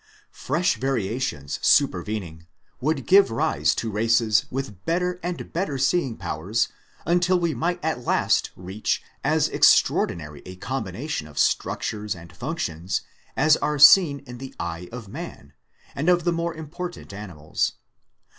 Fresh variations supervening 174 THEISM would give rise to races with better and better seeing powers until we might at last reach as extraordinary a combination of structures and functions as are seen in the eye of man and of the more important animals.